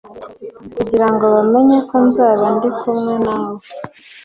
kugira ngo bamenye ko nzaba ndi kumwe nawe